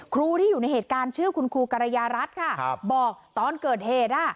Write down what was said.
ครูที่อยู่ในเหตุการณ์ชื่อคุณครูกรยารัฐค่ะบอกตอนเกิดเหตุอ่ะ